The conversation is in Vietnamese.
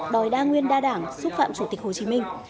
đòi đa nguyên đa đảng xúc phạm chủ tịch hồ chí minh